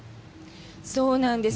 そうなんです。